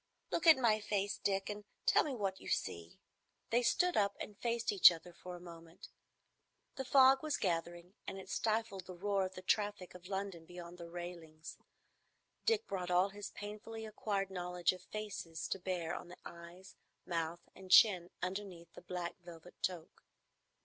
Look at my face, Dick, and tell me what you see." They stood up and faced each other for a moment. The fog was gathering, and it stifled the roar of the traffic of London beyond the railings. Dick brought all his painfully acquired knowledge of faces to bear on the eyes, mouth, and chin underneath the black velvet toque.